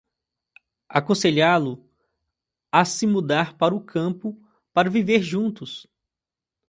Aconselhá-lo a se mudar para o campo para viver juntos